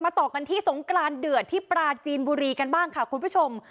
ต่อกันที่สงกรานเดือดที่ปราจีนบุรีกันบ้างค่ะคุณผู้ชม